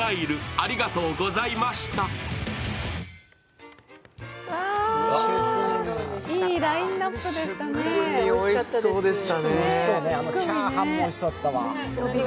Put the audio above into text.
あのチャーハンもおいしそうだったわ。